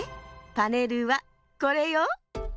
パネルはこれよ。